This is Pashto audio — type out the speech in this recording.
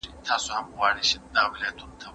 په ژوند کې پرمختګ لپاره قاطعې لارې باید ونیول شي.